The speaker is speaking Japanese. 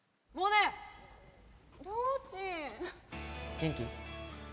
元気？